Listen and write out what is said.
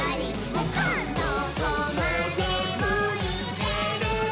「どこまでもいけるぞ！」